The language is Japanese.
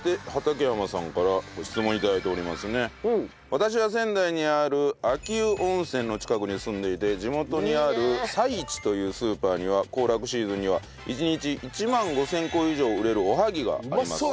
私は仙台にある秋保温泉の近くに住んでいて地元にあるさいちというスーパーには行楽シーズンには１日１万５０００個以上売れるおはぎがあります。